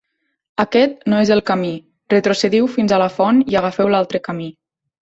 Aquest no és el camí: retrocediu fins a la font i agafeu l'altre camí.